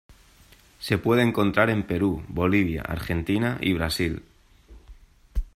Se puede encontrar en Perú, Bolivia, Argentina y Brasil.